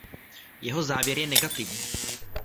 Jeho závěr je negativní.